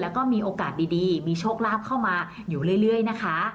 แล้วก็มีโอกาสดีมีโชคลาภเข้ามาอยู่เรื่อยนะคะ